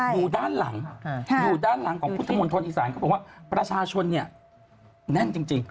อยู่ด้านหลังของพุทธมนตรอีสานก็บอกว่าประชาชนแน่นจริง